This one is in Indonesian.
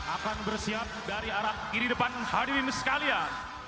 akan bersiap dari arah kiri depan hadirin sekalian